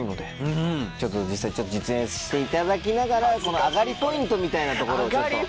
ちょっと実際実演していただきながらこの上がりポイントみたいなところをちょっと。